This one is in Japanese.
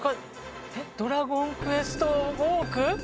『ドラゴンクエストウォーク』。